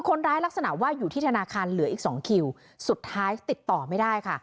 ลักษณะว่าอยู่ที่ธนาคารเหลืออีกสองคิวสุดท้ายติดต่อไม่ได้ค่ะ